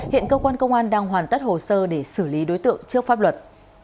hiện cơ quan công an đang hoàn tất hồ sơ để xử lý đối tượng trước pháp luật